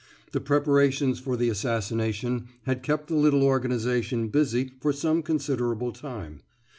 The preparations for the assassination had kept the little organization busy for some considerable time.